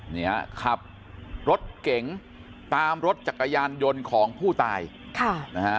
เนี่ยขับรถเก๋งตามรถจักรยานยนต์ของผู้ตายค่ะนะฮะ